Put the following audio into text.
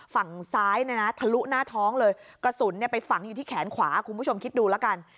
ฝั่งซ้ายเนี่ยนะทะลุหน้าท้องเลยกระสุนเนี่ยไปฝังอยู่ที่แขนขวาคุณผู้ชมคิดดูแล้วกัน